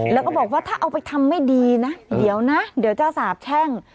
แล้วก็บอกว่าถ้าเอาไปทำไม่ดีนะเดี๋ยวนะเดี๋ยวจะสาบแช่ง